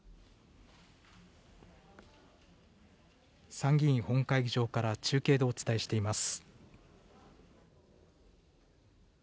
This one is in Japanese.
参議院本会議場から中継でお伝えしています。